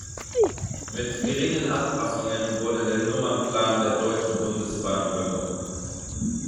Mit geringen Anpassungen wurde der Nummernplan der Deutschen Bundesbahn übernommen.